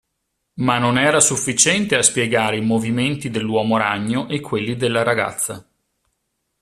Ma non era sufficiente a spiegare i movimenti dell'uomo ragno e quelli della ragazza.